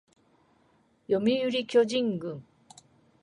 読売巨人軍